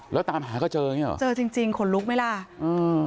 แล้วตามหาก็เจออย่างเงี้หรอเจอจริงจริงขนลุกไหมล่ะอืม